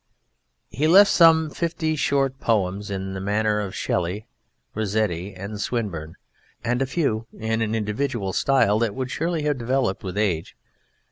He left some fifty short poems in the manner of Shelley, Rossetti and Swinburne, and a few in an individual style that would surely have developed with age.